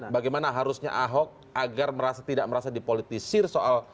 bagaimana harusnya ahok agar tidak merasa dipolitisir soal